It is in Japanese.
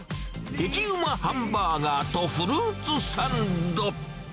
激うまハンバーガーとフルーツサンド。